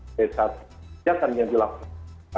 sejak kami yang dilakukan